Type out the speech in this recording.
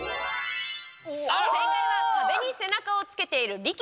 正解は「壁に背中をつけている力士」に丸でした。